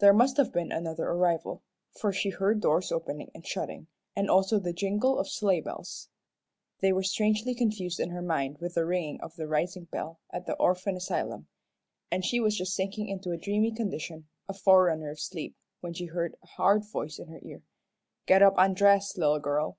There must have been another arrival, for she heard doors opening and shutting, and also the jingle of sleigh bells. They were strangely confused in her mind with the ringing of the rising bell at the orphan asylum, and she was just sinking into a dreamy condition, a forerunner of sleep, when she heard a hard voice in her ear. "Get up an' dress, little girl."